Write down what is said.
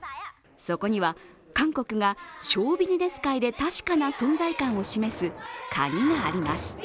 そこには韓国がショービジネス界で確かな存在感を示すカギがあります。